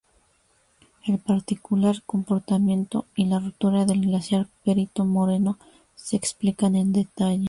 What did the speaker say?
El particular comportamiento y la ruptura del Glaciar Perito Moreno se explican en detalle.